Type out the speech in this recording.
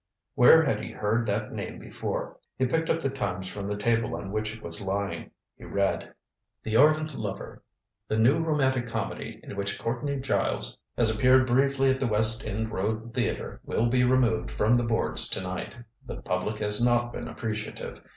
Where had he heard that name before? He picked up the Times from the table on which it was lying. He read: "The Ardent Lover, the new romantic comedy in which Courtney Giles has appeared briefly at the West End Road Theater, will be removed from the boards to night. The public has not been appreciative.